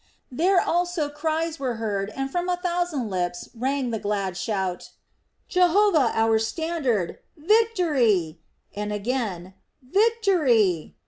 There also cries were heard and from a thousand lips rang the glad shout: "Jehovah our standard! Victory!" and again "Victory!"